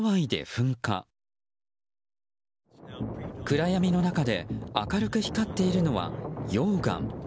暗闇の中で明るく光っているのは溶岩。